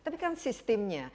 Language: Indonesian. tapi kan sistemnya